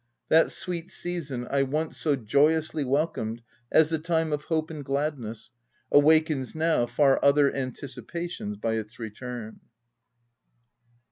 That sweet season, I once so joyously welcomed as the time of hope and gladness, awakens, now, far other anticipa tions by its return.